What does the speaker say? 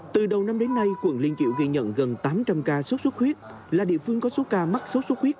từ đầu năm đến nay quận liên kiểu ghi nhận gần tám trăm linh ca sốt xuất huyết là địa phương có số ca mắc sốt xuất huyết